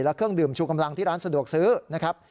และเครื่องดื่มชูกำลังที่ร้านสะดวกซื้อนะครับ